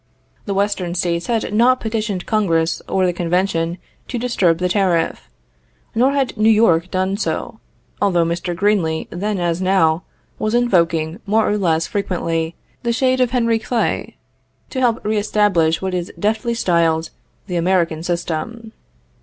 The Western States had not petitioned Congress or the convention to disturb the tariff; nor had New York done so, although Mr. Greeley, then as now, was invoking, more or less frequently, the shade of Henry Clay to help re establish what is deftly styled the "American System."